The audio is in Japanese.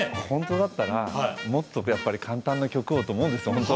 本当だったらもっと簡単な曲をと思うんですよ